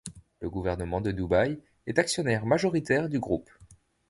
Le gouvernement de Dubaï est actionnaire majoritaire du groupe.